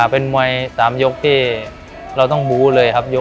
เป็นมวย๓ยกที่เราต้องบู้เลยครับ